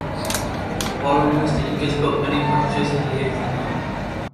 Following this, the Incas built many fortresses and lived in them.